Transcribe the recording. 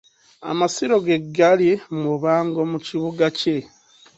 Amasiro ge gali Mubango mu Kibuga kye.